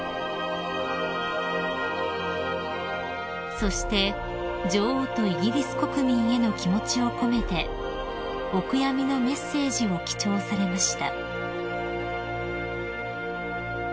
［そして女王とイギリス国民への気持ちを込めてお悔やみのメッセージを記帳されました］